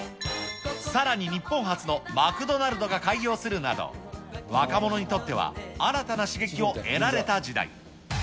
さらに日本初のマクドナルドが開業するなど、若者にとっては新たな刺激を得られた時代。